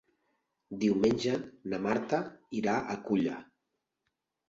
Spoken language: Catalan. Diumenge na Marta irà a Culla.